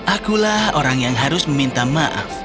akulah orang yang harus meminta maaf